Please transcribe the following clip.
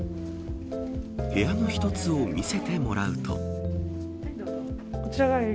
部屋の一つを見せてもらうと。